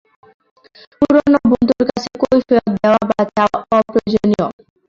পুরনো বন্ধুর কাছে কৈফিয়ত দেওয়া বা চাওয়া অপ্রয়োজনীয়।